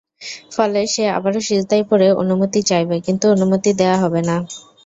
ফলে সে আবারো সিজদায় পড়ে অনুমতি চাইবে কিন্তু অনুমতি দেয়া হবে না।